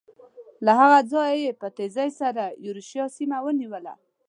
له هغه ځایه یې په تېزۍ سره یورشیا سیمه ونیوله.